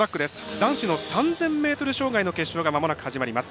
男子の３０００ｍ障害の決勝がまもなく始まります。